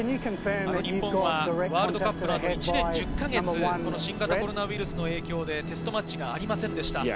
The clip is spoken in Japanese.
日本はワールドカップのあと、１年１０か月、新型コロナウイルスの影響でテストマッチがありませんでした。